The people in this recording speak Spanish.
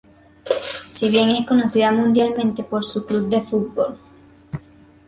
Si bien es conocida mundialmente por su club de fútbol.